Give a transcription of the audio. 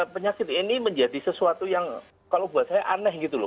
penyakit ini menjadi sesuatu yang kalau buat saya aneh gitu loh